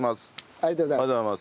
ありがとうございます。